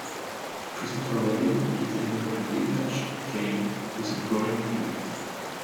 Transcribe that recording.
Christopher Robin is able to reattach the tail with a drawing pin.